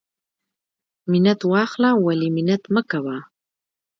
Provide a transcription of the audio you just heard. منت واخله ولی منت مکوه.